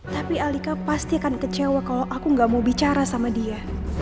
tapi alika pasti akan kecewa kalau aku gak mau bicara sama dia